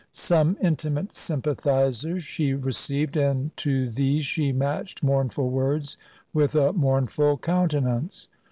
Some intimate sympathisers she received, and to these she matched mournful words with a mournful countenance.